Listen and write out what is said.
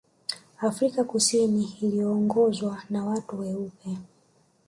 Afrika Kusini iliyoongozwa na watu weupe